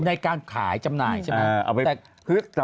ในการขายจำหน่ายใช่ไหม